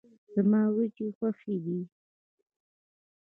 زما وريجي خوښي دي.